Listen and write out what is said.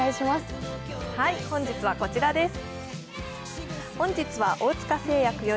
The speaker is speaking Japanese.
本日はこちらです。